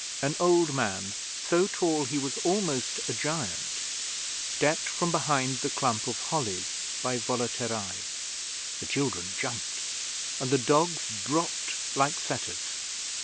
An old man, so tall he was almost a giant, stepped from behind the clump of hollies by Volaterrae. The children jumped, and the dogs dropped like setters.